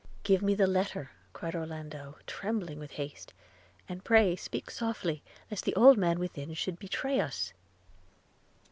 'Give me the letter,' cried Orlando trembling with haste, 'and pray speak softly, lest the old man within should betray us!'